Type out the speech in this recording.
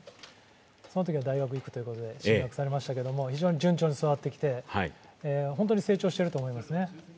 そのときは大学に行くということで進学されましたけれども、非常に順調に育ってきて、本当に成長していると思うんですね。